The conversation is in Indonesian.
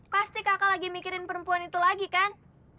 pasti kakak lagi mikirin perempuan itu lagi kan